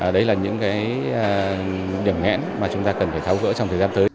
đấy là những điểm ngãn mà chúng ta cần phải tháo gỡ trong thời gian tới